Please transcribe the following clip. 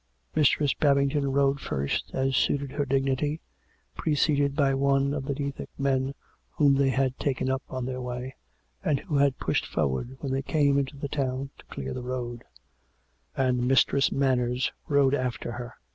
Mistress Babington rode first, as suited her dignity, pre ceded by one of the Dethick men whom they had taken up on their way, and who had pushed forward when they came into the town to clear the road ; and Mistress Manners rode after her.